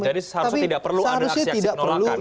jadi seharusnya tidak perlu anda seaksi seksi menolakkan